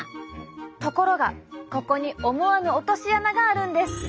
ところがここに思わぬ落とし穴があるんです。